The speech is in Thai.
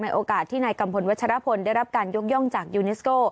โอกาสที่นายกัมพลวัชรพลได้รับการยกย่องจากยูเนสโก้